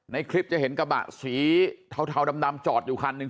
ในคลิปจะเห็นกระบะสีเทาดำจอดอยู่คันหนึ่ง